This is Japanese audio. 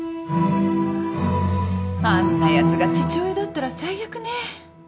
あんなやつが父親だったら最悪ね。